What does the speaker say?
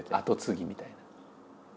跡継ぎみたいな。